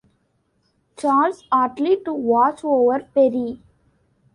Charles Audley to watch over Perry.